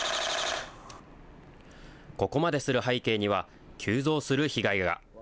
ここまでする背景には、急増する被害が。